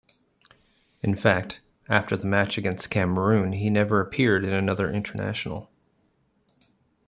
In fact, after the match against Cameroon, he never appeared in another international.